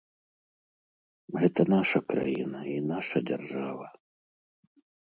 Гэта наша краіна і наша дзяржава.